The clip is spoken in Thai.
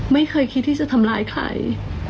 ไม่เคยคิดที่จะทำร้ายใคร